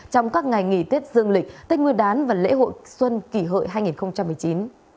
trong các ngày nghỉ tết dương lịch tết nguyên đán và lễ hội xuân kỳ hợi hai nghìn một mươi chín